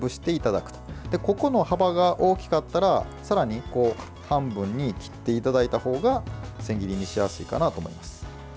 ここの幅が大きかったら、さらに半分に切っていただいた方が千切りにしやすいかなと思います。